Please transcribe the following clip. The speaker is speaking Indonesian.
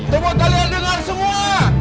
semua kalian dengar semua